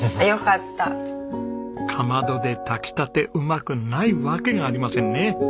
かまどで炊きたてうまくないわけがありませんね。